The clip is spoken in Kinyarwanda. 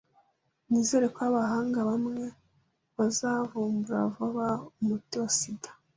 Nizere ko abahanga bamwe bazavumbura vuba umuti wa sida.